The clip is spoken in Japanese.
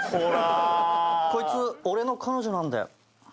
こいつ俺の彼女なんで。